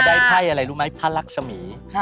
ด้ายไพ้รุ่นไหมพระรักษมี